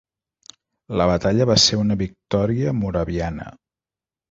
La batalla va ser una victòria moraviana.